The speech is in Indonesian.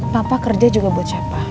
papa kerja juga buat siapa